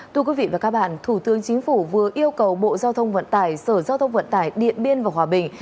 thưa quý vị và các bạn thủ tướng chính phủ vừa yêu cầu bộ giao thông vận tải sở giao thông vận tải điện biên và hòa bình